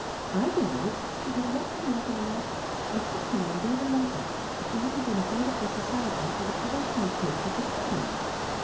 I believe she'd have locked me up in an attic and kept me on bread and water if she hadn't been afraid of the Society for the Prevention of Cruelty to Children.